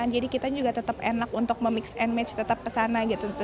jadi kita juga tetap enak untuk memix and match tetap kesana gitu